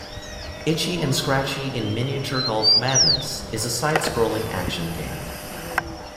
"Itchy and Scratchy in Miniature Golf Madness" is a side-scrolling action game.